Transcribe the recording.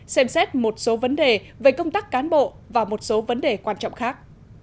xem xét một số vấn đề về công tác cán bộ và một số vấn đề quan trọng khác